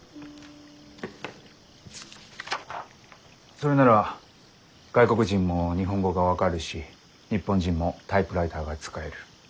それなら外国人も日本語が分かるし日本人もタイプライターが使える。